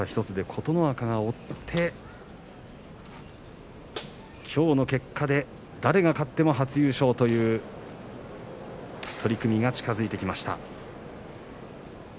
１つで琴ノ若が追ってきょうの結果で誰が勝っても初優勝という取組が近づいてきました。